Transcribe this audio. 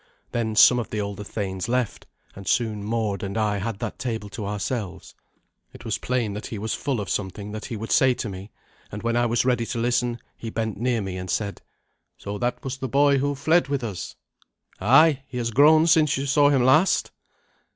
Then some of the older thanes left, and soon Mord and I had that table to ourselves. It was plain that he was full of something that he would say to me, and when I was ready to listen he bent near me and said, "So that was the boy who fled with us." "Ay. He has grown since you saw him last."